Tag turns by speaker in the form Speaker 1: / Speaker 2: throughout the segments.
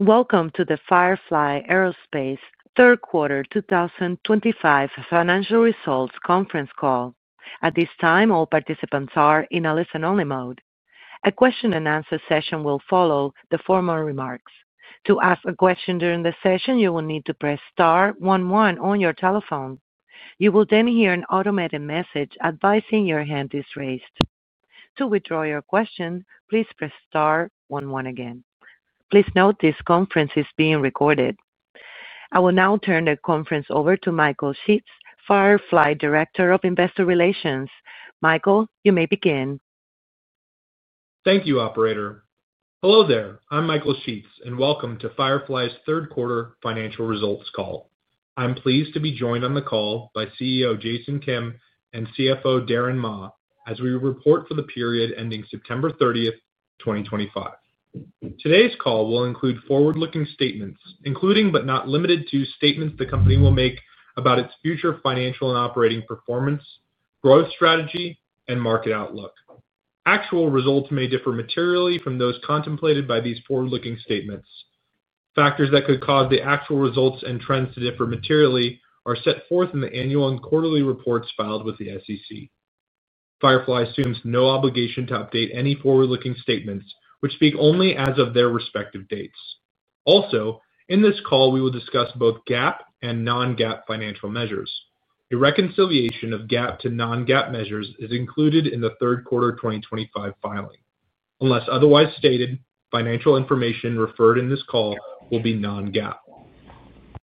Speaker 1: Welcome to the Firefly Aerospace Q3 2025 financial results conference call. At this time, all participants are in a listen-only mode. A question-and-answer session will follow the former remarks. To ask a question during the session, you will need to press *11 on your telephone. You will then hear an automated message advising your hand is raised. To withdraw your question, please press *11 again. Please note this conference is being recorded. I will now turn the conference over to Michael Sheetz, Firefly Director of Investor Relations. Michael, you may begin.
Speaker 2: Thank you, Operator. Hello there. I'm Michael Sheetz, and welcome to Firefly's Q3 financial results call. I'm pleased to be joined on the call by CEO Jason Kim and CFO Darren Ma as we report for the period ending September 30, 2025. Today's call will include forward-looking statements, including but not limited to statements the company will make about its future financial and operating performance, growth strategy, and market outlook. Actual results may differ materially from those contemplated by these forward-looking statements. Factors that could cause the actual results and trends to differ materially are set forth in the annual and quarterly reports filed with the SEC. Firefly assumes no obligation to update any forward-looking statements, which speak only as of their respective dates. Also, in this call, we will discuss both GAAP and non-GAAP financial measures. A reconciliation of GAAP to non-GAAP measures is included in the Q3 2025 filing. Unless otherwise stated, financial information referred in this call will be non-GAAP.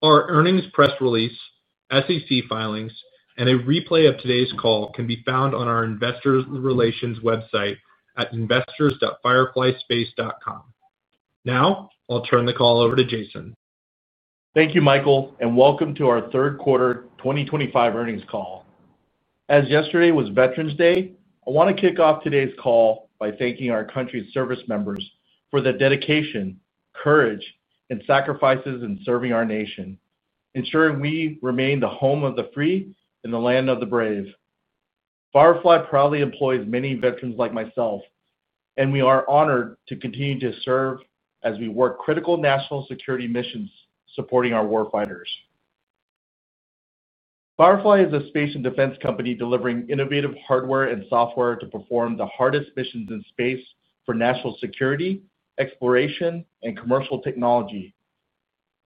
Speaker 2: Our earnings press release, SEC filings, and a replay of today's call can be found on our Investor Relations website at investors.fireflyspace.com. Now, I'll turn the call over to Jason.
Speaker 3: Thank you, Michael, and welcome to our Q3 2025 earnings call. As yesterday was Veterans Day, I want to kick off today's call by thanking our country's service members for their dedication, courage, and sacrifices in serving our nation, ensuring we remain the home of the free and the land of the brave. Firefly proudly employs many veterans like myself, and we are honored to continue to serve as we work critical national security missions supporting our warfighters. Firefly is a space and defense company delivering innovative hardware and software to perform the hardest missions in space for national security, exploration, and commercial technology,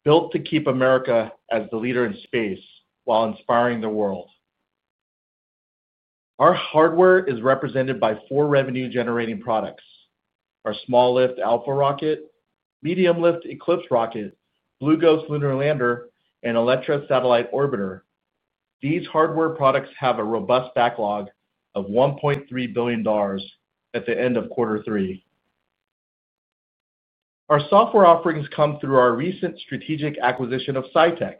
Speaker 3: built to keep America as the leader in space while inspiring the world. Our hardware is represented by four revenue-generating products: our small-lift Alpha rocket, medium-lift Eclipse rocket, Blue Ghost lunar lander, and Electra satellite orbiter. These hardware products have a robust backlog of $1.3 billion at the end of Q3. Our software offerings come through our recent strategic acquisition of SciTec.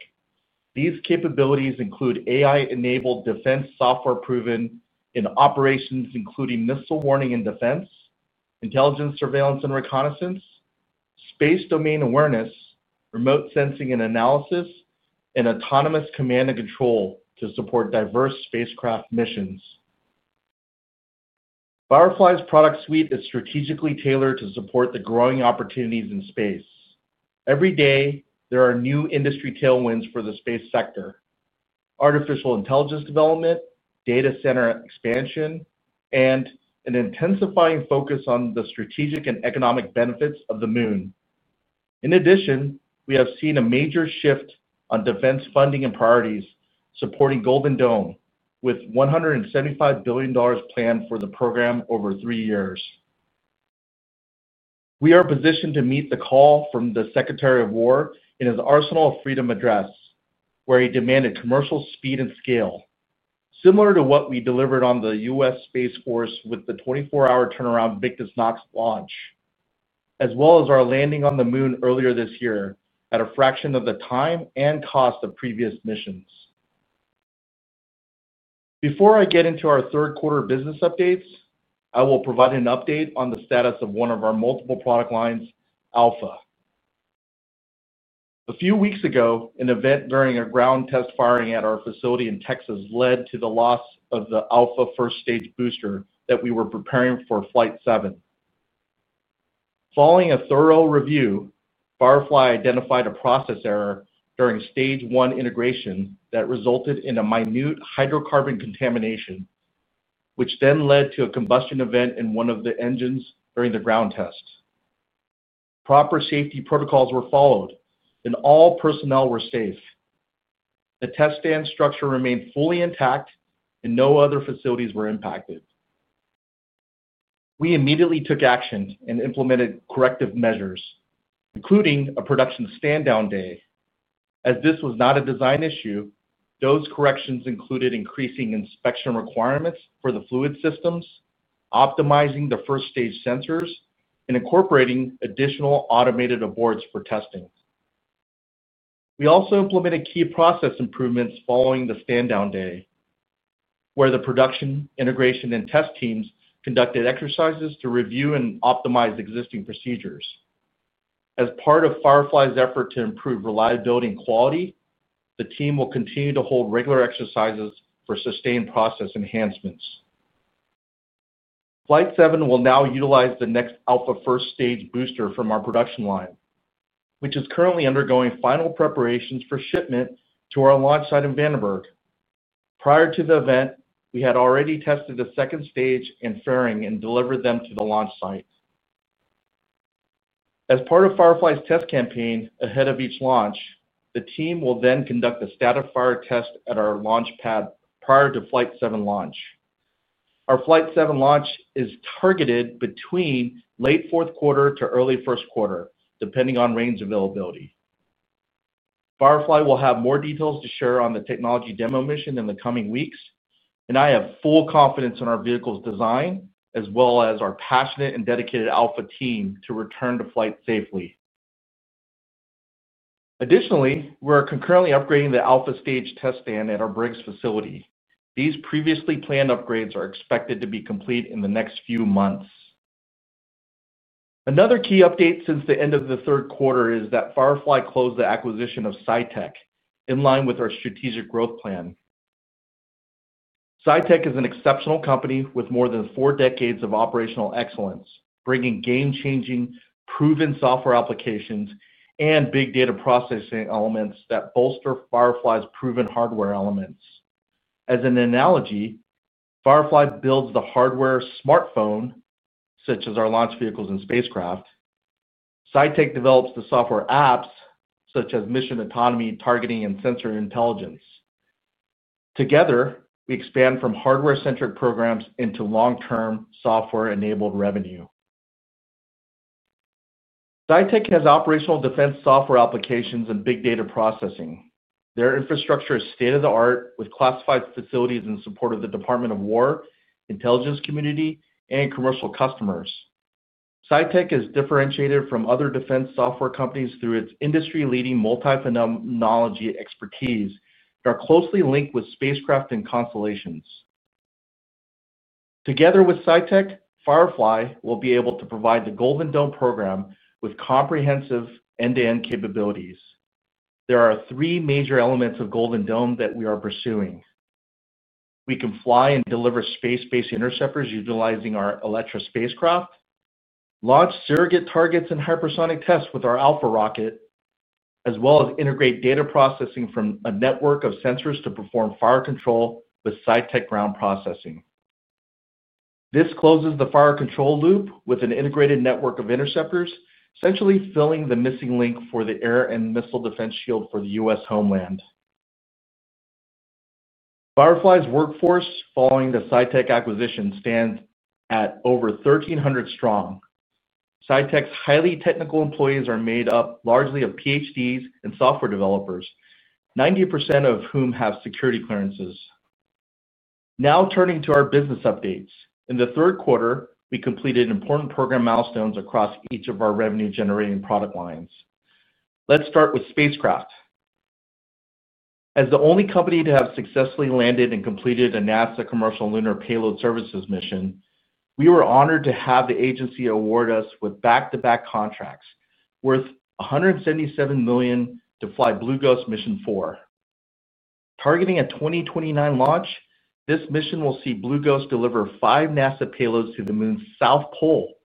Speaker 3: These capabilities include AI-enabled defense software proven in operations including missile warning and defense, intelligence surveillance and reconnaissance, space domain awareness, remote sensing and analysis, and autonomous command and control to support diverse spacecraft missions. Firefly's product suite is strategically tailored to support the growing opportunities in space. Every day, there are new industry tailwinds for the space sector: artificial intelligence development, data center expansion, and an intensifying focus on the strategic and economic benefits of the Moon. In addition, we have seen a major shift on defense funding and priorities, supporting Golden Dome with $175 billion planned for the program over three years. We are positioned to meet the call from the Secretary of War in his Arsenal of Freedom address, where he demanded commercial speed and scale, similar to what we delivered on the U.S. Space Force with the 24-hour turnaround Victus Nox launch, as well as our landing on the Moon earlier this year at a fraction of the time and cost of previous missions. Before I get into our Q3 business updates, I will provide an update on the status of one of our multiple product lines, Alpha. A few weeks ago, an event during a ground test firing at our facility in Texas led to the loss of the Alpha first-stage booster that we were preparing for Flight 7. Following a thorough review, Firefly identified a process error during stage one integration that resulted in a minute hydrocarbon contamination, which then led to a combustion event in one of the engines during the ground test. Proper safety protocols were followed, and all personnel were safe. The test stand structure remained fully intact, and no other facilities were impacted. We immediately took action and implemented corrective measures, including a production stand-down day. As this was not a design issue, those corrections included increasing inspection requirements for the fluid systems, optimizing the first-stage sensors, and incorporating additional automated aboards for testing. We also implemented key process improvements following the stand-down day, where the production, integration, and test teams conducted exercises to review and optimize existing procedures. As part of Firefly's effort to improve reliability and quality, the team will continue to hold regular exercises for sustained process enhancements. Flight 7 will now utilize the next Alpha first-stage booster from our production line, which is currently undergoing final preparations for shipment to our launch site in Vandenberg. Prior to the event, we had already tested the second stage and fairing and delivered them to the launch site. As part of Firefly's test campaign ahead of each launch, the team will then conduct a static fire test at our launch pad prior to Flight 7 launch. Our Flight 7 launch is targeted between late Q4 to early Q1, depending on range availability. Firefly will have more details to share on the technology demo mission in the coming weeks, and I have full confidence in our vehicle's design, as well as our passionate and dedicated Alpha team to return to flight safely. Additionally, we're concurrently upgrading the Alpha stage test stand at our Briggs facility. These previously planned upgrades are expected to be complete in the next few months. Another key update since the end of the Q3 is that Firefly closed the acquisition of SciTec in line with our strategic growth plan. SciTec is an exceptional company with more than four decades of operational excellence, bringing game-changing, proven software applications and big data processing elements that bolster Firefly's proven hardware elements. As an analogy, Firefly builds the hardware smartphone, such as our launch vehicles and spacecraft. SciTec develops the software apps, such as mission autonomy, targeting, and sensor intelligence. Together, we expand from hardware-centric programs into long-term software-enabled revenue. SciTec has operational defense software applications and big data processing. Their infrastructure is state-of-the-art with classified facilities in support of the Department of War, intelligence community, and commercial customers. SciTec is differentiated from other defense software companies through its industry-leading multi-phenomenology expertise that are closely linked with spacecraft and constellations. Together with SciTec, Firefly will be able to provide the Golden Dome program with comprehensive end-to-end capabilities. There are three major elements of Golden Dome that we are pursuing. We can fly and deliver space-based interceptors utilizing our Electra spacecraft, launch surrogate targets and hypersonic tests with our Alpha rocket, as well as integrate data processing from a network of sensors to perform fire control with SciTec ground processing. This closes the fire control loop with an integrated network of interceptors, essentially filling the missing link for the air and missile defense shield for the U.S. homeland. Firefly's workforce following the SciTec acquisition stands at over 1,300 strong. SciTec's highly technical employees are made up largely of PhDs and software developers, 90% of whom have security clearances. Now turning to our business updates. In the Q3, we completed important program milestones across each of our revenue-generating product lines. Let's start with spacecraft. As the only company to have successfully landed and completed a NASA commercial lunar payload services mission, we were honored to have the agency award us with back-to-back contracts worth $177 million to fly Blue Ghost mission 4. Targeting a 2029 launch, this mission will see Blue Ghost deliver five NASA payloads to the Moon's south pole,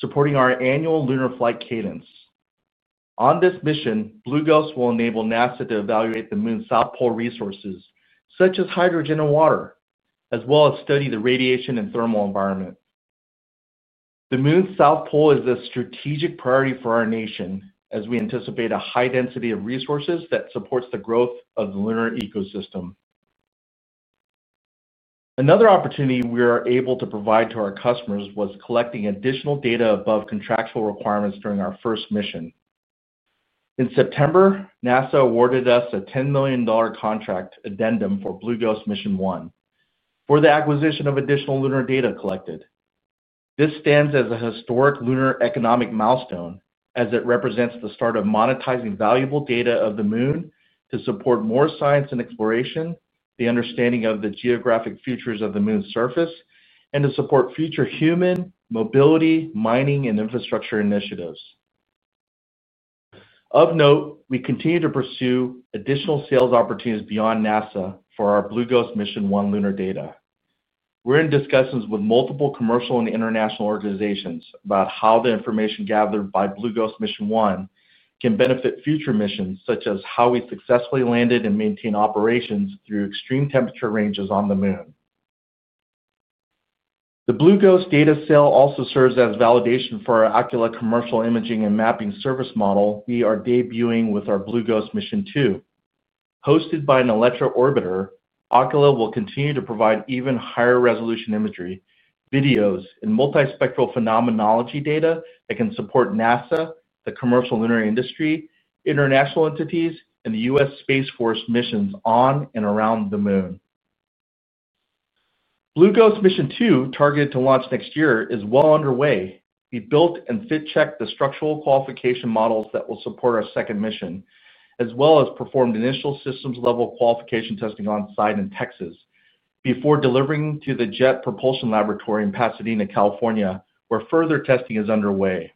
Speaker 3: supporting our annual lunar flight cadence. On this mission, Blue Ghost will enable NASA to evaluate the Moon's south pole resources, such as hydrogen and water, as well as study the radiation and thermal environment. The Moon's south pole is a strategic priority for our nation, as we anticipate a high density of resources that supports the growth of the lunar ecosystem. Another opportunity we were able to provide to our customers was collecting additional data above contractual requirements during our first mission. In September, NASA awarded us a $10 million contract addendum for Blue Ghost mission 1 for the acquisition of additional lunar data collected. This stands as a historic lunar economic milestone, as it represents the start of monetizing valuable data of the Moon to support more science and exploration, the understanding of the geographic features of the Moon's surface, and to support future human mobility, mining, and infrastructure initiatives. Of note, we continue to pursue additional sales opportunities beyond NASA for our Blue Ghost mission 1 lunar data. We're in discussions with multiple commercial and international organizations about how the information gathered by Blue Ghost mission 1 can benefit future missions, such as how we successfully landed and maintained operations through extreme temperature ranges on the Moon. The Blue Ghost data sale also serves as validation for our Oculus commercial imaging and mapping service model we are debuting with our Blue Ghost mission 2. Hosted by an Electra orbiter, Oculus will continue to provide even higher resolution imagery, videos, and multispectral phenomenology data that can support NASA, the commercial lunar industry, international entities, and the U.S. Space Force missions on and around the Moon. Blue Ghost mission 2, targeted to launch next year, is well underway. We built and fit-checked the structural qualification models that will support our second mission, as well as performed initial systems-level qualification testing on site in Texas before delivering to the Jet Propulsion Laboratory in Pasadena, California, where further testing is underway.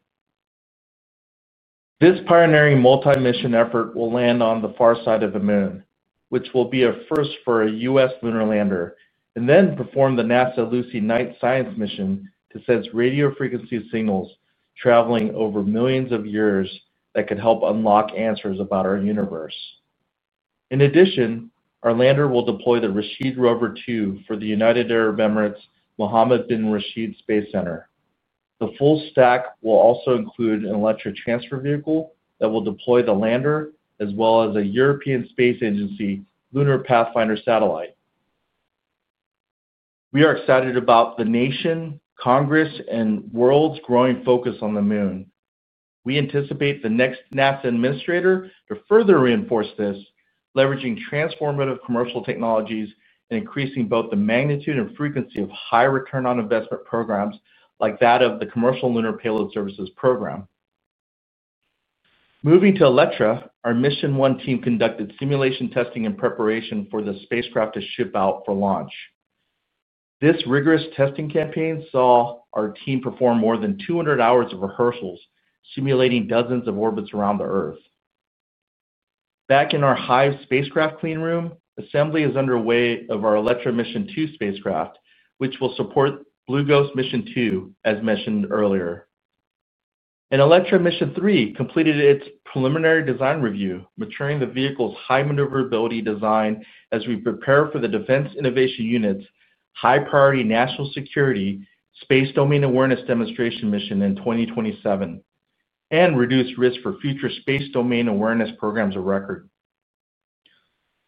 Speaker 3: This pioneering multi-mission effort will land on the far side of the Moon, which will be a first for a U.S. lunar lander, and then perform the NASA Lucy Night Science mission to sense radio frequency signals traveling over millions of years that could help unlock answers about our universe. In addition, our lander will deploy the Rashid Rover 2 for the United Arab Emirates Mohammed bin Rashid Space Center. The full stack will also include an Electra transfer vehicle that will deploy the lander, as well as a European Space Agency lunar pathfinder satellite. We are excited about the nation, Congress, and world's growing focus on the Moon. We anticipate the next NASA administrator to further reinforce this, leveraging transformative commercial technologies and increasing both the magnitude and frequency of high return on investment programs like that of the commercial lunar payload services program. Moving to Electra, our mission 1 team conducted simulation testing in preparation for the spacecraft to ship out for launch. This rigorous testing campaign saw our team perform more than 200 hours of rehearsals, simulating dozens of orbits around the Earth. Back in our Hive spacecraft cleanroom, assembly is underway of our Electra mission 2 spacecraft, which will support Blue Ghost mission 2, as mentioned earlier. Electra mission 3 completed its preliminary design review, maturing the vehicle's high maneuverability design as we prepare for the Defense Innovation Unit's high-priority national security space domain awareness demonstration mission in 2027 and reduce risk for future space domain awareness programs of record.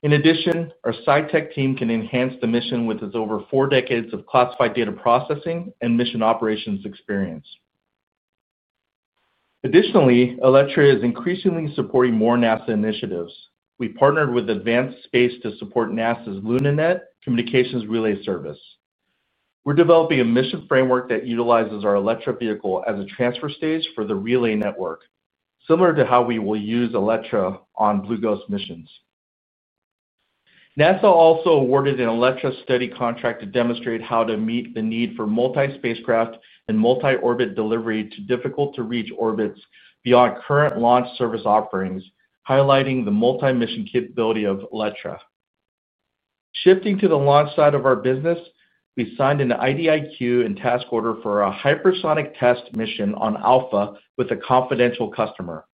Speaker 3: In addition, our SciTec team can enhance the mission with its over four decades of classified data processing and mission operations experience. Additionally, Electra is increasingly supporting more NASA initiatives. We partnered with Advanced Space to support NASA's LunaNet communications relay service. We're developing a mission framework that utilizes our Electra vehicle as a transfer stage for the relay network, similar to how we will use Electra on Blue Ghost missions. NASA also awarded an Electra study contract to demonstrate how to meet the need for multi-spacecraft and multi-orbit delivery to difficult-to-reach orbits beyond current launch service offerings, highlighting the multi-mission capability of Electra. Shifting to the launch side of our business, we signed an IDIQ and task order for a hypersonic test mission on Alpha with a confidential customer.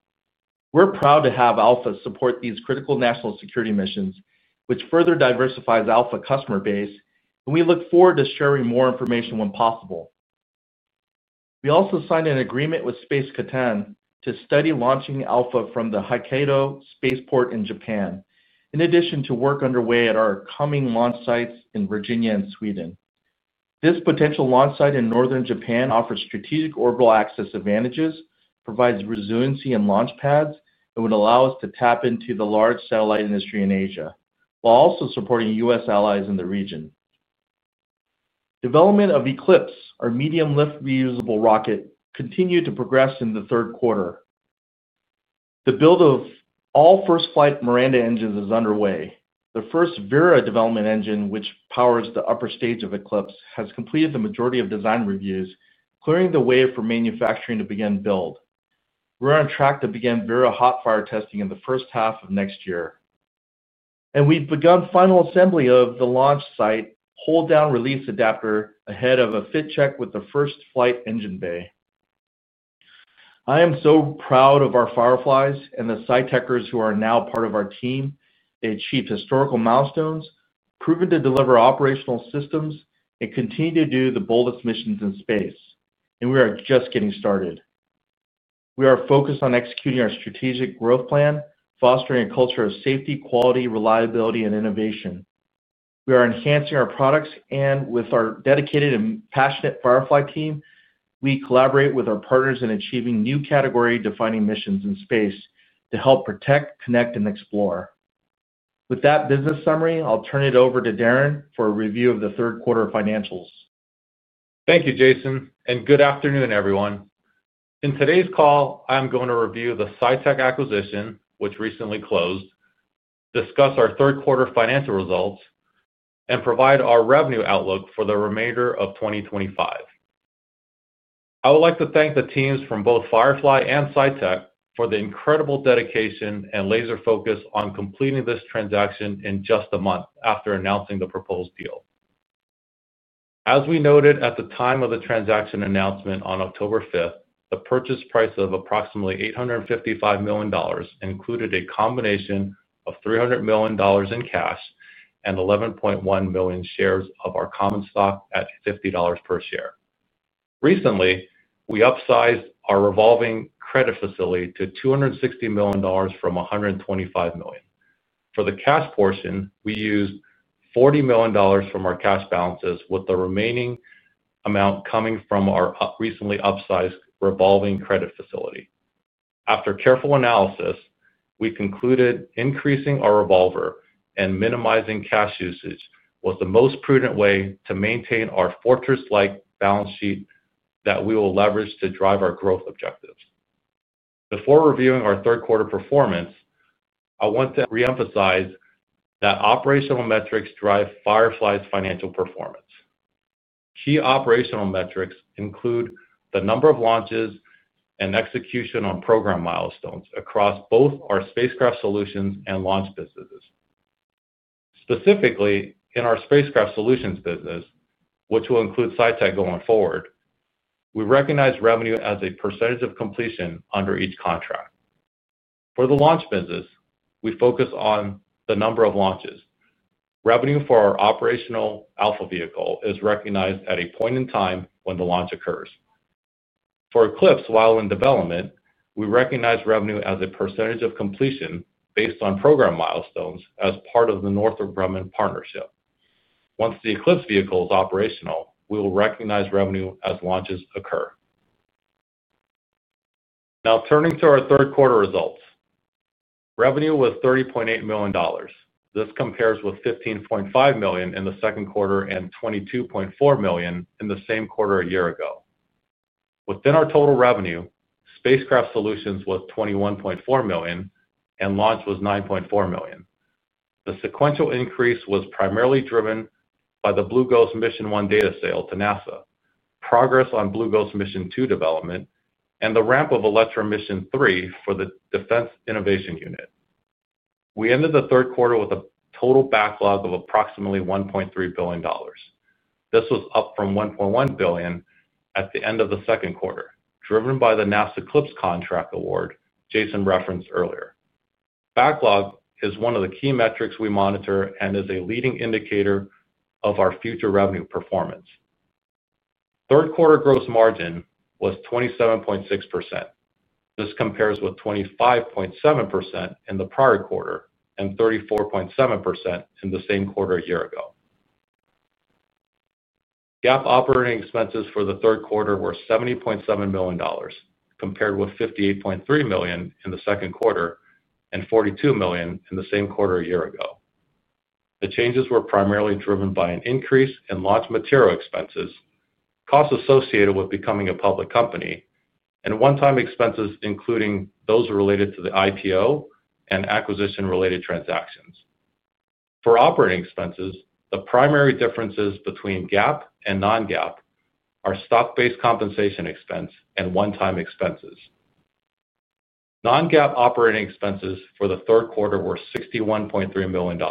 Speaker 3: We're proud to have Alpha support these critical national security missions, which further diversifies Alpha's customer base, and we look forward to sharing more information when possible. We also signed an agreement with SpaceX to study launching Alpha from the Hokkaido Spaceport in Japan, in addition to work underway at our coming launch sites in Virginia and Sweden. This potential launch site in northern Japan offers strategic orbital access advantages, provides resiliency in launch pads, and would allow us to tap into the large satellite industry in Asia, while also supporting U.S. allies in the region. Development of Eclipse, our medium-lift reusable rocket, continued to progress in the Q3. The build of all first-flight Miranda engines is underway. The first VIRA development engine, which powers the upper stage of Eclipse, has completed the majority of design reviews, clearing the way for manufacturing to begin build. We're on track to begin VIRA hot fire testing in the first half of next year. We've begun final assembly of the launch site hold-down release adapter ahead of a fit-check with the first-flight engine bay. I am so proud of our Fireflies and the Scitechers who are now part of our team that achieved historical milestones, proven to deliver operational systems, and continue to do the boldest missions in space. We are just getting started. We are focused on executing our strategic growth plan, fostering a culture of safety, quality, reliability, and innovation. We are enhancing our products, and with our dedicated and passionate Firefly team, we collaborate with our partners in achieving new category-defining missions in space to help protect, connect, and explore. With that business summary, I'll turn it over to Darren for a review of the Q3 financials. Thank you, Jason, and good afternoon, everyone. In today's call, I'm going to review the SciTec acquisition, which recently closed, discuss our Q3 financial results, and provide our revenue outlook for the remainder of 2025. I would like to thank the teams from both Firefly and SciTec for the incredible dedication and laser focus on completing this transaction in just a month after announcing the proposed deal. As we noted at the time of the transaction announcement on October 5, the purchase price of approximately $855 million included a combination of $300 million in cash and 11.1 million shares of our common stock at $50 per share. Recently, we upsized our revolving credit facility to $260 million from $125 million. For the cash portion, we used $40 million from our cash balances, with the remaining amount coming from our recently upsized revolving credit facility. After careful analysis, we concluded increasing our revolver and minimizing cash usage was the most prudent way to maintain our fortress-like balance sheet that we will leverage to drive our growth objectives. Before reviewing our Q3 performance, I want to reemphasize that operational metrics drive Firefly's financial performance. Key operational metrics include the number of launches and execution on program milestones across both our spacecraft solutions and launch businesses. Specifically, in our spacecraft solutions business, which will include SciTec going forward, we recognize revenue as a percentage of completion under each contract. For the launch business, we focus on the number of launches. Revenue for our operational Alpha vehicle is recognized at a point in time when the launch occurs. For Eclipse, while in development, we recognize revenue as a percentage of completion based on program milestones as part of the Northrop Grumman partnership. Once the Eclipse vehicle is operational, we will recognize revenue as launches occur. Now turning to our Q3 results, revenue was $30.8 million. This compares with $15.5 million in the Q2 and $22.4 million in the same quarter a year ago. Within our total revenue, spacecraft solutions was $21.4 million, and launch was $9.4 million. The sequential increase was primarily driven by the Blue Ghost mission 1 data sale to NASA, progress on Blue Ghost mission 2 development, and the ramp of Electra mission 3 for the Defense Innovation Unit. We ended the Q3 with a total backlog of approximately $1.3 billion. This was up from $1.1 billion at the end of the Q2, driven by the NASA Eclipse contract award Jason referenced earlier. Backlog is one of the key metrics we monitor and is a leading indicator of our future revenue performance. Q3 gross margin was 27.6%. This compares with 25.7% in the prior quarter and 34.7% in the same quarter a year ago. GAAP operating expenses for the Q3 were $70.7 million, compared with $58.3 million in the Q2 and $42 million in the same quarter a year ago. The changes were primarily driven by an increase in launch material expenses, costs associated with becoming a public company, and one-time expenses, including those related to the IPO and acquisition-related transactions. For operating expenses, the primary differences between GAAP and non-GAAP are stock-based compensation expense and one-time expenses. Non-GAAP operating expenses for the Q3 were $61.3 million,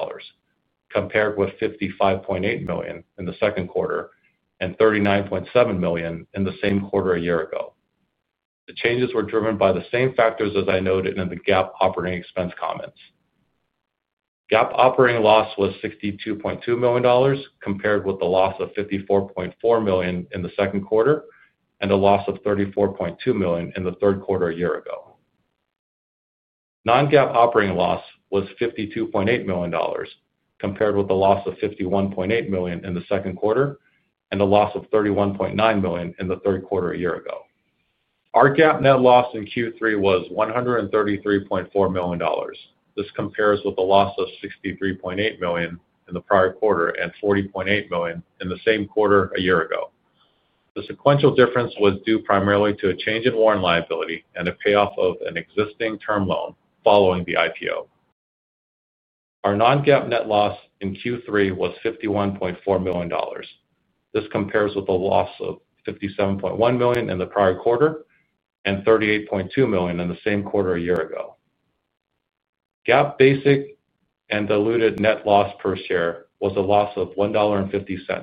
Speaker 3: compared with $55.8 million in the Q2 and $39.7 million in the same quarter a year ago. The changes were driven by the same factors as I noted in the GAAP operating expense comments. GAAP operating loss was $62.2 million, compared with the loss of $54.4 million in the Q2 and a loss of $34.2 million in the Q3 a year ago. Non-GAAP operating loss was $52.8 million, compared with the loss of $51.8 million in the Q2 and a loss of $31.9 million in the Q3 a year ago. Our GAAP net loss in Q3 was $133.4 million. This compares with the loss of $63.8 million in the prior quarter and $40.8 million in the same quarter a year ago. The sequential difference was due primarily to a change in warrant liability and a payoff of an existing term loan following the IPO. Our non-GAAP net loss in Q3 was $51.4 million. This compares with the loss of $57.1 million in the prior quarter and $38.2 million in the same quarter a year ago. GAAP basic and diluted net loss per share was a loss of $1.50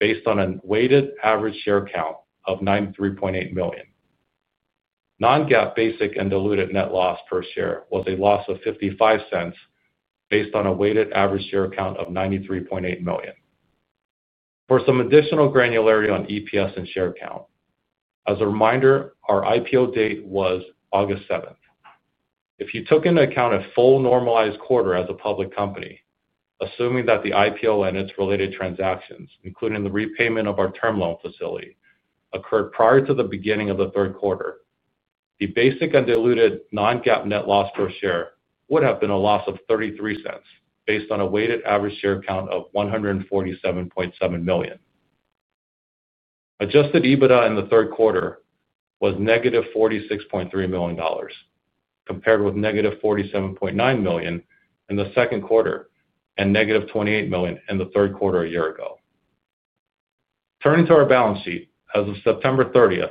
Speaker 3: based on a weighted average share count of 93.8 million. Non-GAAP basic and diluted net loss per share was a loss of $0.55 based on a weighted average share count of 93.8 million. For some additional granularity on EPS and share count, as a reminder, our IPO date was August 7. If you took into account a full normalized quarter as a public company, assuming that the IPO and its related transactions, including the repayment of our term loan facility, occurred prior to the beginning of the Q3, the basic and diluted non-GAAP net loss per share would have been a loss of $0.33 based on a weighted average share count of 147.7 million. Adjusted EBITDA in the Q3 was -$46.3 million, compared with -$47.9 million in the Q2 and -$28 million in the Q3 a year ago. Turning to our balance sheet, as of September 30,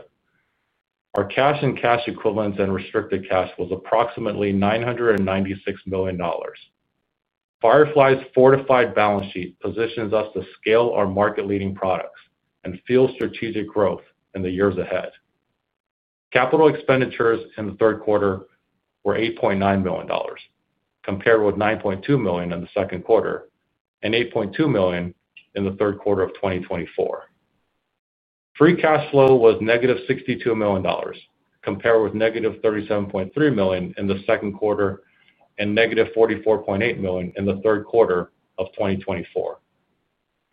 Speaker 3: our cash and cash equivalents and restricted cash was approximately $996 million. Firefly's fortified balance sheet positions us to scale our market-leading products and fuel strategic growth in the years ahead. Capital expenditures in the Q3 were $8.9 million, compared with $9.2 million in the Q2 and $8.2 million in the Q3 of 2024. Free cash flow was -$62 million, compared with -$37.3 million in the Q2 and -$44.8 million in the Q3 of 2024.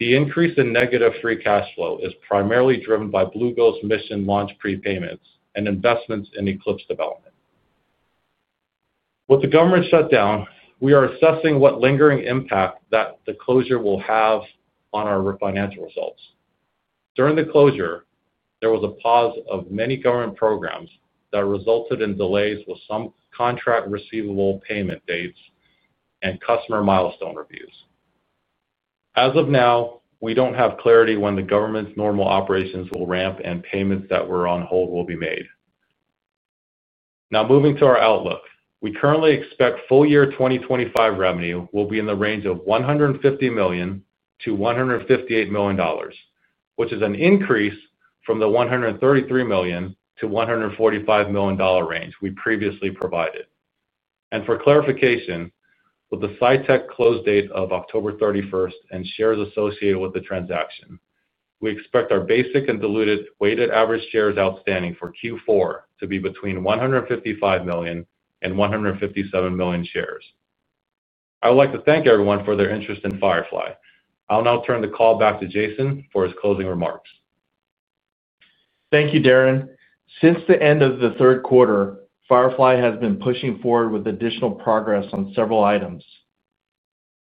Speaker 3: The increase in negative free cash flow is primarily driven by Blue Ghost mission launch prepayments and investments in Eclipse development. With the government shutdown, we are assessing what lingering impact that the closure will have on our financial results. During the closure, there was a pause of many government programs that resulted in delays with some contract receivable payment dates and customer milestone reviews. As of now, we do not have clarity when the government's normal operations will ramp and payments that were on hold will be made. Now moving to our outlook, we currently expect full year 2025 revenue will be in the range of $150 million-$158 million, which is an increase from the $133 million-$145 million range we previously provided. For clarification, with the SciTec close date of October 31 and shares associated with the transaction, we expect our basic and diluted weighted average shares outstanding for Q4 to be between 155 million and 157 million shares. I would like to thank everyone for their interest in Firefly. I will now turn the call back to Jason for his closing remarks. Thank you, Darren. Since the end of the Q3, Firefly has been pushing forward with additional progress on several items.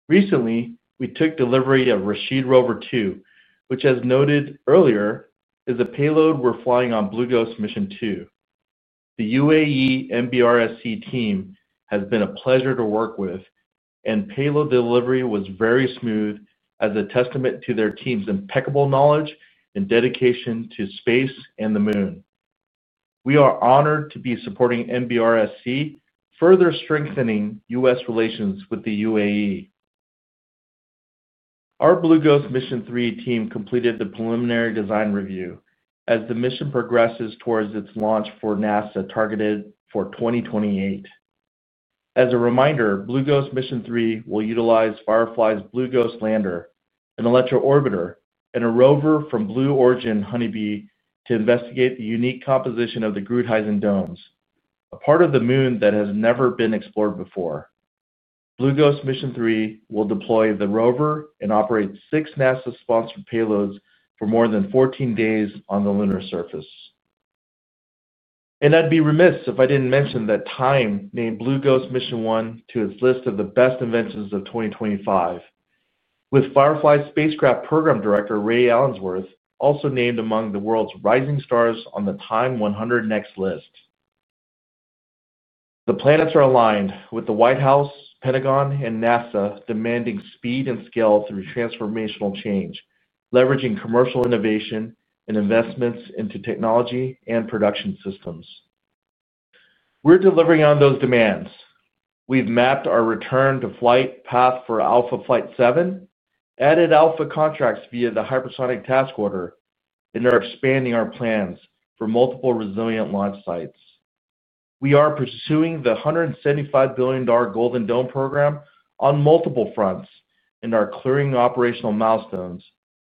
Speaker 3: Recently, we took delivery of Rashid Rover 2, which, as noted earlier, is a payload we're flying on Blue Ghost mission 2. The UAE MBRSC team has been a pleasure to work with, and payload delivery was very smooth, as a testament to their team's impeccable knowledge and dedication to space and the moon. We are honored to be supporting MBRSC, further strengthening U.S. relations with the UAE. Our Blue Ghost mission 3 team completed the preliminary design review as the mission progresses towards its launch for NASA targeted for 2028. As a reminder, Blue Ghost mission 3 will utilize Firefly's Blue Ghost lander, an Electra orbiter, and a rover from Blue Origin Honeybee to investigate the unique composition of the Gruithuisen domes, a part of the moon that has never been explored before. Blue Ghost mission 3 will deploy the rover and operate six NASA-sponsored payloads for more than 14 days on the lunar surface. I would be remiss if I did not mention that Time named Blue Ghost mission 1 to its list of the best inventions of 2025, with Firefly's Spacecraft Program Director Rayy Allensworth also named among the world's rising stars on the Time 100 Next list. The planets are aligned, with the White House, Pentagon, and NASA demanding speed and scale through transformational change, leveraging commercial innovation and investments into technology and production systems. We are delivering on those demands. We have mapped our return-to-flight path for Alpha Flight 7, added Alpha contracts via the hypersonic task order, and are expanding our plans for multiple resilient launch sites. We are pursuing the $175 billion Golden Dome program on multiple fronts and are clearing operational milestones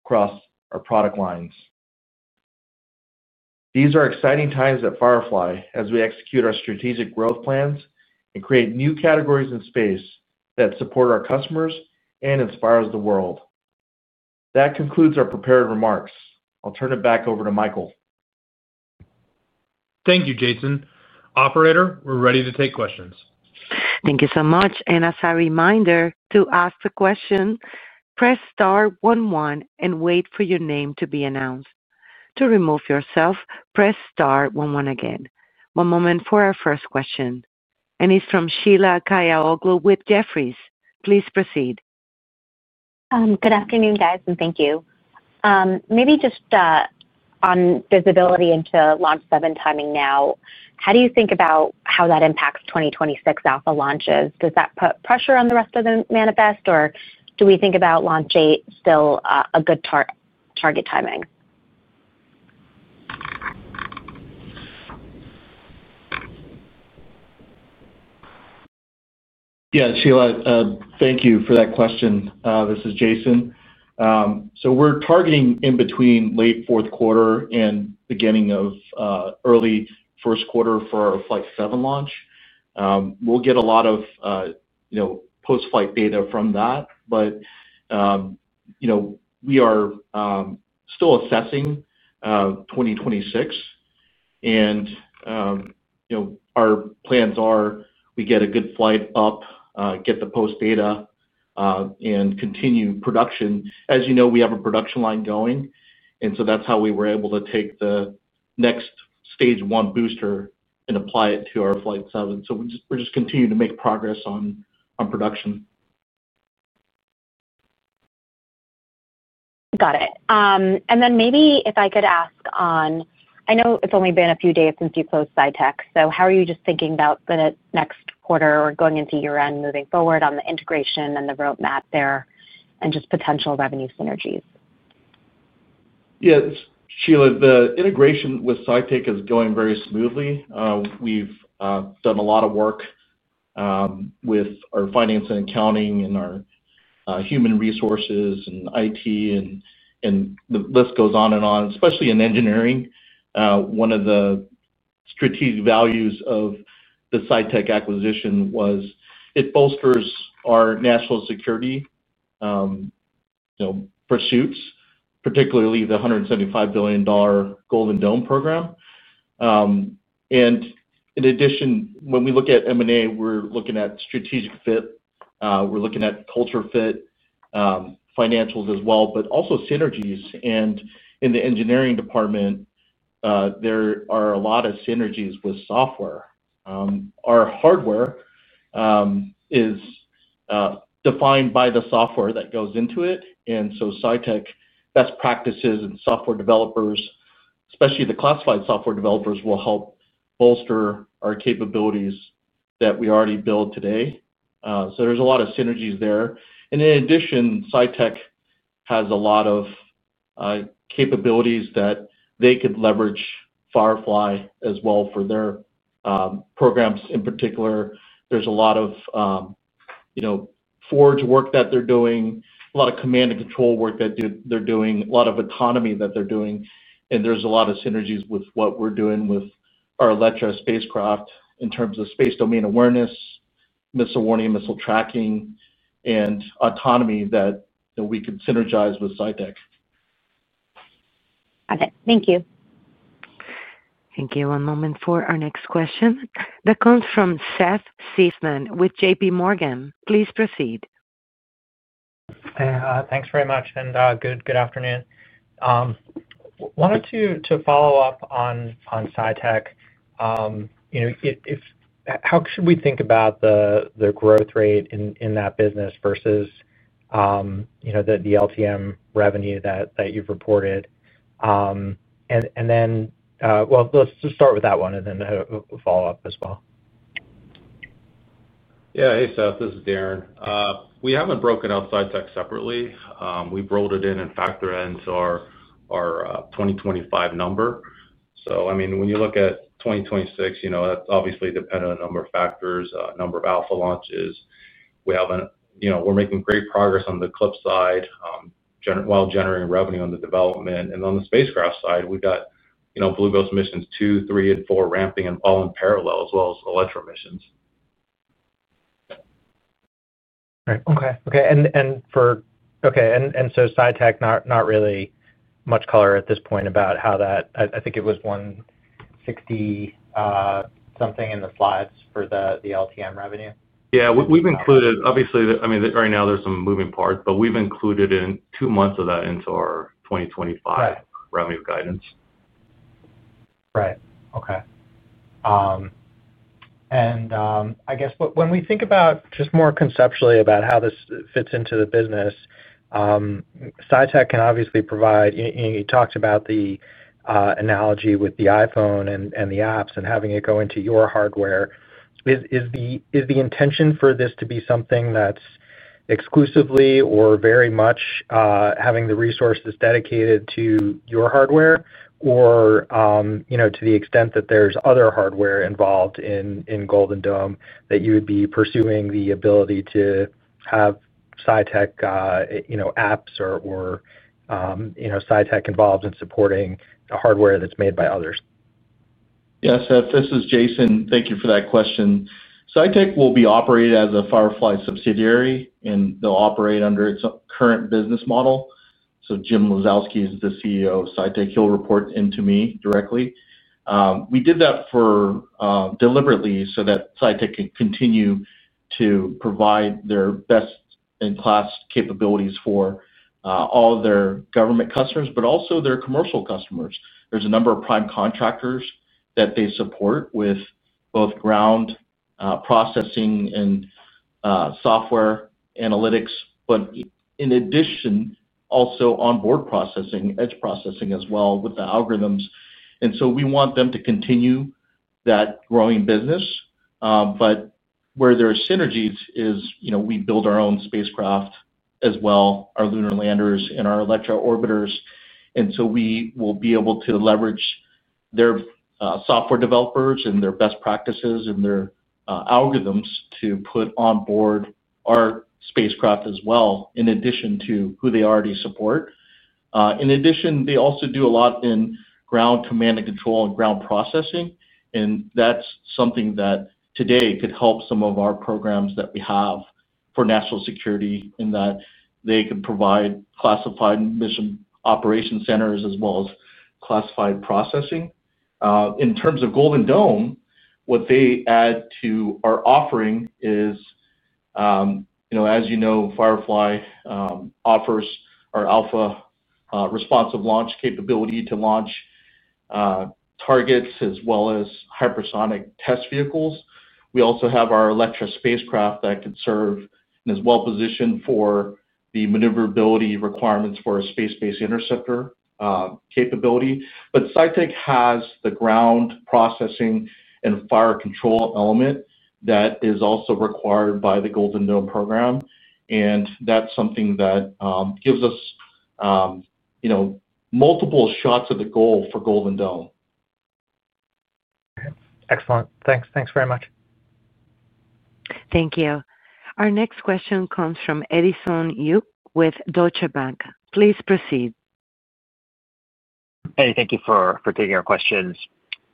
Speaker 3: across our product lines. These are exciting times at Firefly as we execute our strategic growth plans and create new categories in space that support our customers and inspire the world. That concludes our prepared remarks. I'll turn it back over to Michael.
Speaker 2: Thank you, Jason. Operator, we're ready to take questions.
Speaker 1: Thank you so much. As a reminder, to ask a question, press Star 11 and wait for your name to be announced. To remove yourself, press Star 11 again. One moment for our first question. It is from Sheila Kahyaoglu with Jefferies. Please proceed.
Speaker 4: Good afternoon, guys, and thank you. Maybe just on visibility into launch 7 timing now, how do you think about how that impacts 2026 Alpha launches? Does that put pressure on the rest of the manifest, or do we think about launch 8 still a good target timing? Yeah, Sheila, thank you for that question.
Speaker 3: This is Jason. We're targeting in between late Q4 and beginning of early Q1 for our Flight 7 launch. We'll get a lot of post-flight data from that, but we are still assessing 2026. Our plans are we get a good flight up, get the post data, and continue production. As you know, we have a production line going, and that's how we were able to take the next stage one booster and apply it to our Flight 7. We're just continuing to make progress on production.
Speaker 4: Got it. Maybe if I could ask on, I know it's only been a few days since you closed SciTec. How are you just thinking about the next quarter or going into year-end moving forward on the integration and the roadmap there and just potential revenue synergies?
Speaker 3: Yeah, Sheila, the integration with SciTec is going very smoothly. We've done a lot of work with our finance and accounting and our human resources and IT, and the list goes on and on, especially in engineering. One of the strategic values of the SciTec acquisition was it bolsters our national security pursuits, particularly the $175 billion Golden Dome program. In addition, when we look at M&A, we're looking at strategic fit. We're looking at culture fit, financials as well, but also synergies. In the engineering department, there are a lot of synergies with software. Our hardware is defined by the software that goes into it. SciTec best practices and software developers, especially the classified software developers, will help bolster our capabilities that we already build today. There's a lot of synergies there. In addition, SciTec has a lot of capabilities that they could leverage Firefly as well for their programs. In particular, there is a lot of Forge work that they are doing, a lot of command and control work that they are doing, a lot of autonomy that they are doing. There are a lot of synergies with what we are doing with our Electra spacecraft in terms of space domain awareness, missile warning, missile tracking, and autonomy that we could synergize with SciTec.
Speaker 4: Got it. Thank you.
Speaker 1: Thank you. One moment for our next question. That comes from Seth Seifman with JPMorgan. Please proceed.
Speaker 5: Thanks very much. Good afternoon. Wanted to follow up on SciTec. How should we think about the growth rate in that business versus the LTM revenue that you have reported? Let's just start with that one and then follow up as well. Yeah, hey, Seth. This is Darren.
Speaker 6: We haven't broken out SciTec separately. We've rolled it in and factored it into our 2025 number. I mean, when you look at 2026, that's obviously dependent on a number of factors, a number of Alpha launches. We're making great progress on the Eclipse side while generating revenue on the development. On the spacecraft side, we've got Blue Ghost missions 2, 3, and 4 ramping and all in parallel, as well as Electra missions. Right. Okay. Okay. SciTec, not really much color at this point about how that, I think it was 160-something in the slides for the LTM revenue. Yeah. Obviously, right now there's some moving parts, but we've included two months of that into our 2025 revenue guidance.
Speaker 5: Right. Okay. I guess when we think about just more conceptually about how this fits into the business, SciTec can obviously provide, you talked about the analogy with the iPhone and the apps and having it go into your hardware. Is the intention for this to be something that's exclusively or very much having the resources dedicated to your hardware, or to the extent that there's other hardware involved in Golden Dome that you would be pursuing the ability to have SciTec apps or SciTec involved in supporting the hardware that's made by others?
Speaker 3: Yeah, Seth, this is Jason. Thank you for that question. SciTec will be operated as a Firefly subsidiary, and they'll operate under its current business model. Jim Lazowski is the CEO of SciTec. He'll report into me directly. We did that deliberately so that SciTec can continue to provide their best-in-class capabilities for all their government customers, but also their commercial customers. There's a number of prime contractors that they support with both ground processing and software analytics, but in addition, also onboard processing, edge processing as well with the algorithms. We want them to continue that growing business. Where there are synergies is we build our own spacecraft as well, our lunar landers and our Electra orbiters. We will be able to leverage their software developers and their best practices and their algorithms to put onboard our spacecraft as well in addition to who they already support. In addition, they also do a lot in ground command and control and ground processing. That is something that today could help some of our programs that we have for national security in that they could provide classified mission operation centers as well as classified processing. In terms of Golden Dome, what they add to our offering is, as you know, Firefly offers our Alpha responsive launch capability to launch targets as well as hypersonic test vehicles. We also have our Electra spacecraft that could serve and is well-positioned for the maneuverability requirements for a space-based interceptor capability. But SciTec has the ground processing and fire control element that is also required by the Golden Dome program. That is something that gives us multiple shots at the goal for Golden Dome.
Speaker 5: Excellent. Thanks. Thanks very much.
Speaker 1: Thank you. Our next question comes from Edison Yu with Deutsche Bank. Please proceed.
Speaker 7: Hey, thank you for taking our questions.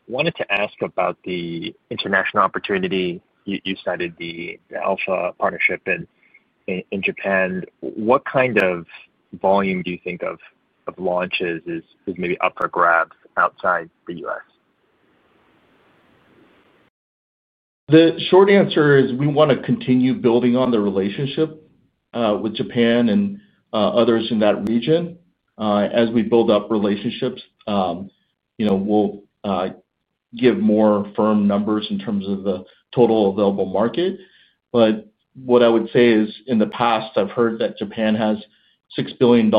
Speaker 7: Wanted to ask about the international opportunity. You cited the Alpha partnership in Japan. What kind of volume do you think of launches is maybe up for grabs outside the U.S.?
Speaker 3: The short answer is we want to continue building on the relationship with Japan and others in that region. As we build up relationships, we'll give more firm numbers in terms of the total available market. What I would say is, in the past, I've heard that Japan has $6 billion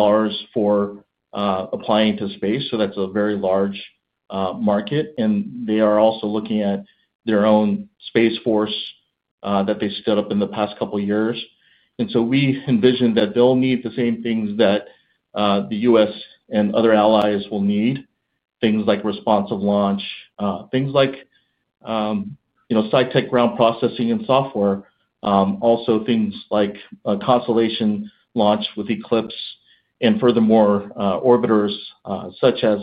Speaker 3: for applying to space. That is a very large market. They are also looking at their own Space Force that they stood up in the past couple of years. We envision that they'll need the same things that the U.S. and other allies will need, things like responsive launch, things like SciTec ground processing and software, also things like a constellation launch with Eclipse, and furthermore, orbiters such as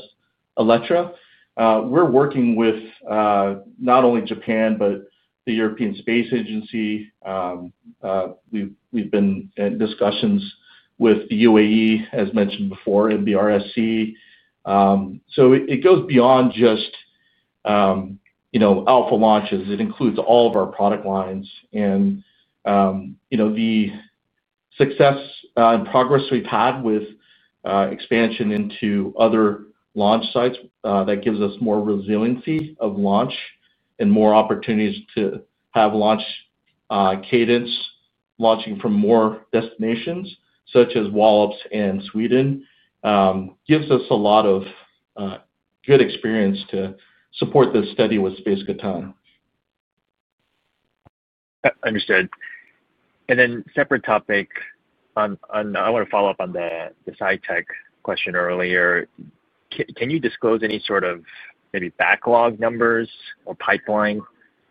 Speaker 3: Electra. We're working with not only Japan, but the European Space Agency. We've been in discussions with the UAE, as mentioned before, and the RSC. It goes beyond just Alpha launches. It includes all of our product lines. The success and progress we've had with expansion into other launch sites gives us more resiliency of launch and more opportunities to have launch cadence. Launching from more destinations such as Wallops and Sweden gives us a lot of good experience to support this study with Space Catan.
Speaker 7: Understood. Separate topic, I want to follow up on the SciTec question earlier. Can you disclose any sort of maybe backlog numbers or pipeline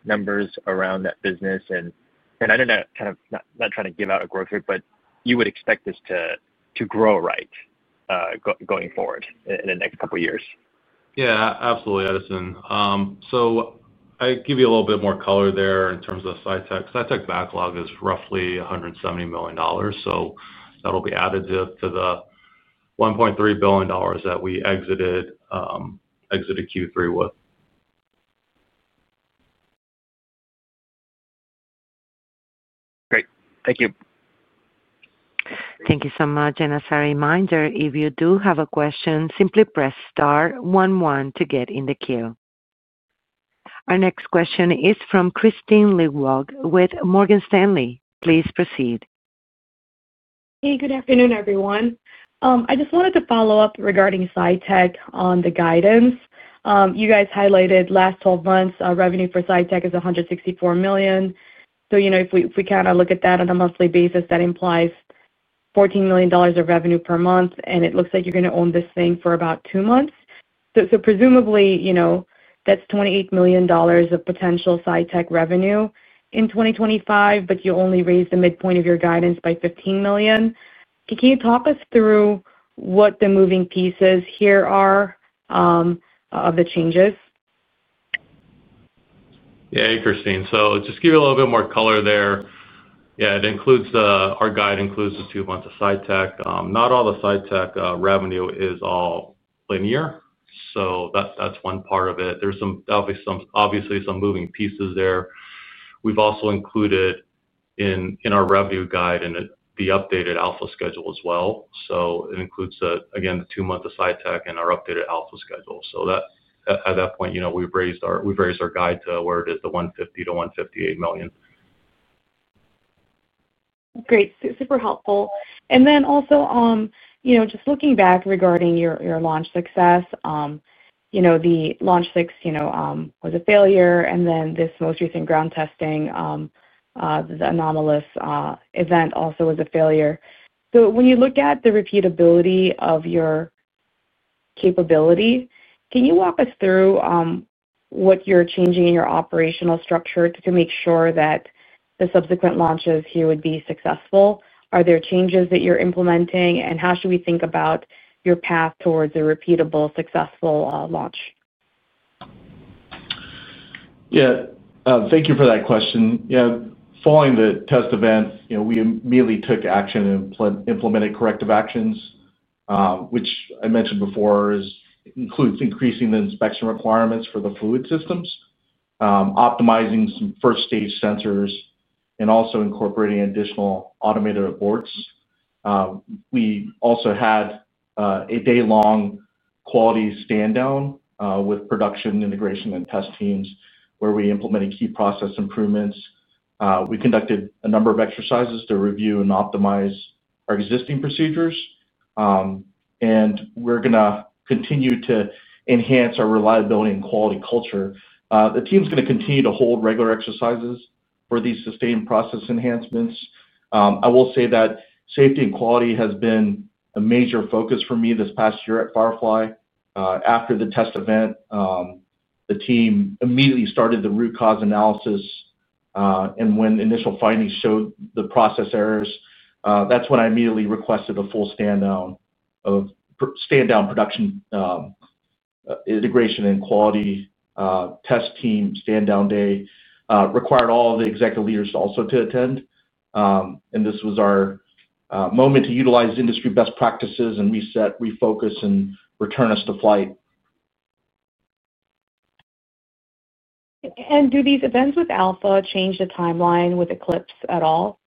Speaker 7: numbers around that business? I know that kind of not trying to give out a growth rate, but you would expect this to grow right going forward in the next couple of years.
Speaker 3: Yeah, absolutely, Edison. So I'll give you a little bit more color there in terms of SciTec. SciTec backlog is roughly $170 million. So that'll be additive to the $1.3 billion that we exited Q3 with.
Speaker 7: Great. Thank you.
Speaker 1: Thank you so much. As a reminder, if you do have a question, simply press Star 11 to get in the queue. Our next question is from Christine Liwag with Morgan Stanley. Please proceed.
Speaker 8: Hey, good afternoon, everyone. I just wanted to follow up regarding SciTec on the guidance. You guys highlighted last 12 months, revenue for SciTec is $164 million. If we kind of look at that on a monthly basis, that implies $14 million of revenue per month. It looks like you're going to own this thing for about two months. So presumably, that's $28 million of potential SciTec revenue in 2025, but you only raised the midpoint of your guidance by $15 million. Can you talk us through what the moving pieces here are of the changes?
Speaker 3: Yeah, hey, Christine. So just give you a little bit more color there. Yeah, our guide includes the two months of SciTec. Not all the SciTec revenue is all linear. So that's one part of it. There's obviously some moving pieces there. We've also included in our revenue guide and the updated Alpha schedule as well. So it includes, again, the two-month SciTec and our updated Alpha schedule. At that point, we've raised our guide to where it is, the $150-$158 million.
Speaker 8: Great. Super helpful. And then also just looking back regarding your launch success, the launch six was a failure. This most recent ground testing, the anomalous event also was a failure. When you look at the repeatability of your capability, can you walk us through what you're changing in your operational structure to make sure that the subsequent launches here would be successful? Are there changes that you're implementing? How should we think about your path towards a repeatable successful launch?
Speaker 3: Yeah. Thank you for that question. Yeah. Following the test event, we immediately took action and implemented corrective actions, which I mentioned before includes increasing the inspection requirements for the fluid systems, optimizing some first-stage sensors, and also incorporating additional automated aborts. We also had a day-long quality stand-down with production integration and test teams where we implemented key process improvements. We conducted a number of exercises to review and optimize our existing procedures. We're going to continue to enhance our reliability and quality culture. The team's going to continue to hold regular exercises for these sustained process enhancements. I will say that safety and quality has been a major focus for me this past year at Firefly. After the test event, the team immediately started the root cause analysis. When initial findings showed the process errors, that's when I immediately requested a full stand-down of production integration and quality test team stand-down day. Required all of the executive leaders also to attend. This was our moment to utilize industry best practices and reset, refocus, and return us to flight.
Speaker 8: Do these events with Alpha change the timeline with Eclipse at all?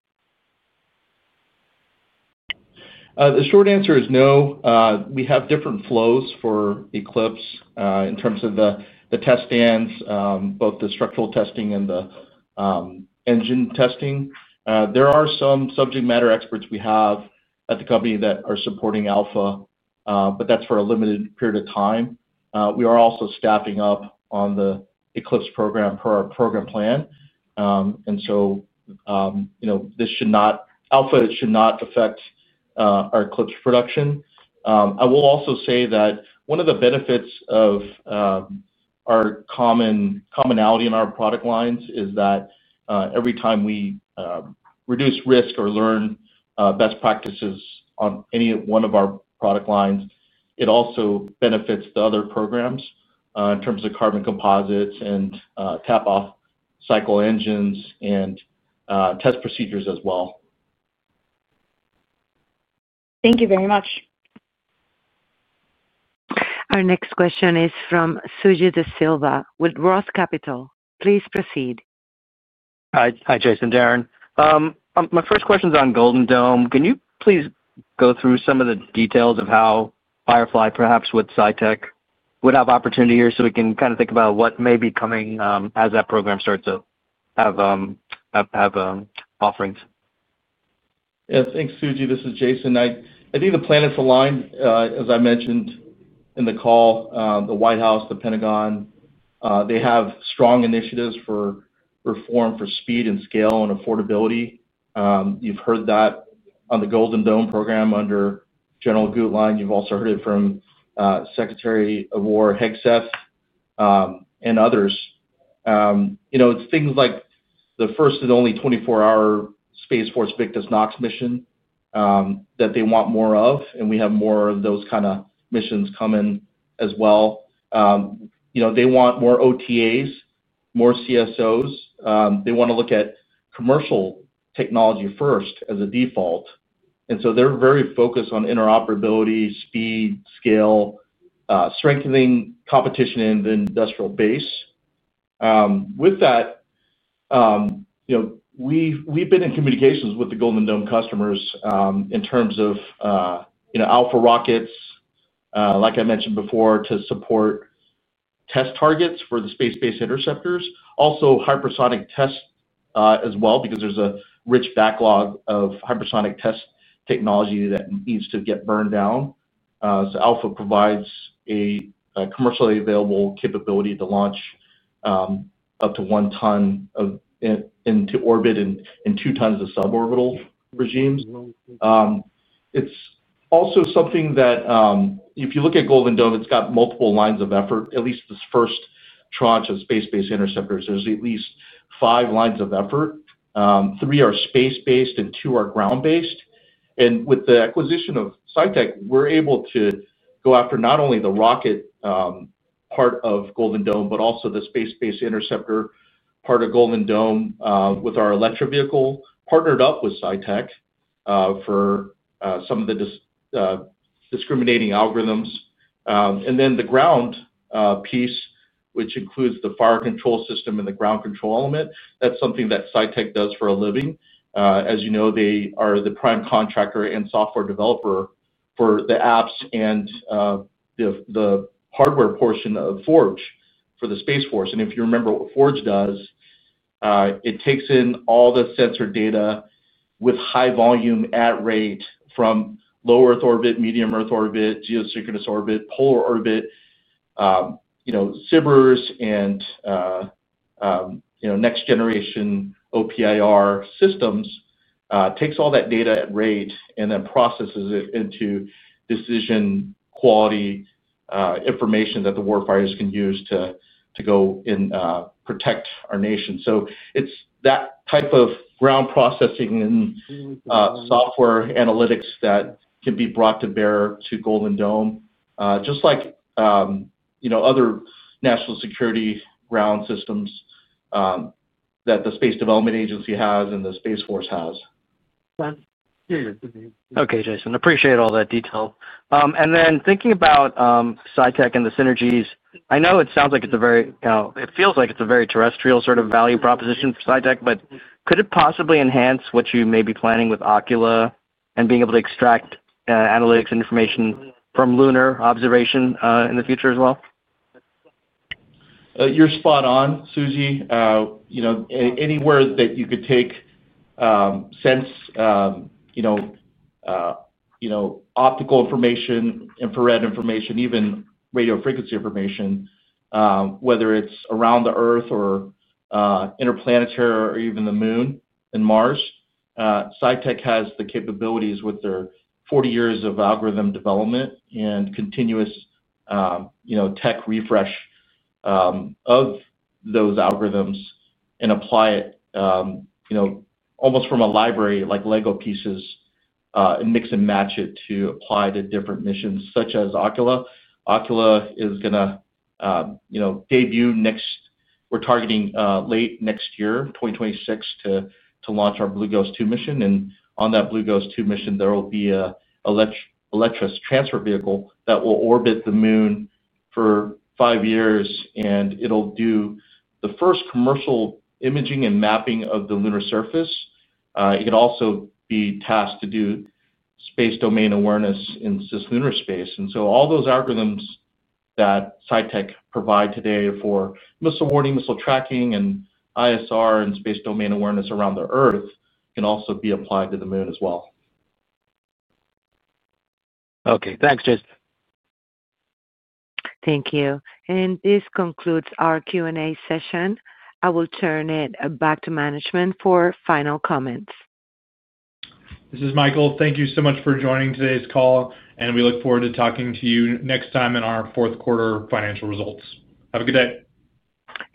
Speaker 3: The short answer is no. We have different flows for Eclipse in terms of the test stands, both the structural testing and the engine testing. There are some subject matter experts we have at the company that are supporting Alpha, but that's for a limited period of time. We are also staffing up on the Eclipse program per our program plan. This should not, Alpha should not affect our Eclipse production. I will also say that one of the benefits of our commonality in our product lines is that every time we reduce risk or learn best practices on any one of our product lines, it also benefits the other programs in terms of carbon composites and tap-off cycle engines and test procedures as well.
Speaker 8: Thank you very much.
Speaker 1: Our next question is from Suji DeSilva with Ross Capital. Please proceed.
Speaker 9: Hi, Jason, Darren. My first question is on Golden Dome. Can you please go through some of the details of how Firefly, perhaps with SciTec, would have opportunity here so we can kind of think about what may be coming as that program starts to have offerings?
Speaker 3: Yeah. Thanks, Suji. This is Jason. I think the planets aligned, as I mentioned in the call, the White House, the Pentagon. They have strong initiatives for reform for speed and scale and affordability. You've heard that on the Golden Dome program under General Gutlein. You've also heard it from Secretary of War Hegseth and others. It's things like the first and only 24-hour Space Force Victus Nox mission that they want more of. We have more of those kind of missions coming as well. They want more OTAs, more CSOs. They want to look at commercial technology first as a default. They're very focused on interoperability, speed, scale, strengthening competition in the industrial base. With that, we've been in communications with the Golden Dome customers in terms of Alpha rockets, like I mentioned before, to support test targets for the space-based interceptors. Also hypersonic tests as well because there's a rich backlog of hypersonic test technology that needs to get burned down. Alpha provides a commercially available capability to launch up to 1 ton into orbit and 2 tons of suborbital regimes. If you look at Golden Dome, it's got multiple lines of effort. At least this first tranche of space-based interceptors, there's at least five lines of effort. Three are space-based and two are ground-based. With the acquisition of SciTec, we're able to go after not only the rocket part of Golden Dome, but also the space-based interceptor part of Golden Dome with our Electra vehicle partnered up with SciTec for some of the discriminating algorithms. The ground piece, which includes the fire control system and the ground control element, that's something that SciTec does for a living. As you know, they are the prime contractor and software developer for the apps and the hardware portion of Forge for the Space Force. If you remember what Forge does, it takes in all the sensor data with high volume at rate from low Earth orbit, medium Earth orbit, geosynchronous orbit, polar orbit, SIBRs, and next-generation OPIR systems. It takes all that data at rate and then processes it into decision quality information that the warfighters can use to go and protect our nation. It is that type of ground processing and software analytics that can be brought to bear to Golden Dome, just like other national security ground systems that the Space Development Agency has and the Space Force has. Okay, Jason. Appreciate all that detail. Thinking about SciTec and the synergies, I know it sounds like it is a very, it feels like it is a very terrestrial sort of value proposition for SciTec, but could it possibly enhance what you may be planning with Oculus and being able to extract analytics information from lunar observation in the future as well? You are spot on, Suji. Anywhere that you could take sense optical information, infrared information, even radio frequency information, whether it's around the Earth or interplanetary or even the Moon and Mars, SciTec has the capabilities with their 40 years of algorithm development and continuous tech refresh of those algorithms and apply it almost from a library like Lego pieces and mix and match it to apply to different missions such as Oculus. Oculus is going to debut next, we're targeting late next year, 2026, to launch our Blue Ghost 2 mission. On that Blue Ghost 2 mission, there will be an electric transfer vehicle that will orbit the Moon for five years. It'll do the first commercial imaging and mapping of the lunar surface. It can also be tasked to do space domain awareness in cislunar space. All those algorithms that SciTec provide today for missile warning, missile tracking, and ISR and space domain awareness around the Earth can also be applied to the Moon as well.
Speaker 9: Okay. Thanks, Jason.
Speaker 1: Thank you. This concludes our Q&A session. I will turn it back to management for final comments.
Speaker 2: This is Michael. Thank you so much for joining today's call. We look forward to talking to you next time in our fourth quarter financial results. Have a good day.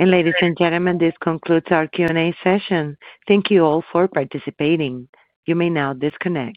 Speaker 1: Ladies and gentlemen, this concludes our Q&A session. Thank you all for participating. You may now disconnect.